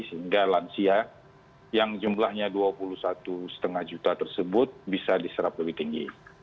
sehingga lansia yang jumlahnya dua puluh satu lima juta tersebut bisa diserap lebih tinggi